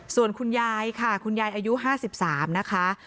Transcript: ส่วนคุณยายค่ะคุณยายอายุ๕๓นะคะ